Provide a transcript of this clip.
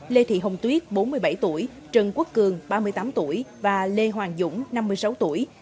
lê thị hồng tuyết bốn mươi bảy tuổi trần quốc cường ba mươi tám tuổi và lê hoàng dũng năm mươi sáu tuổi